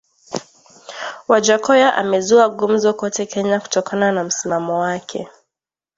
Wajackoya amezua gumzo kote Kenya kutokana na msimamo wake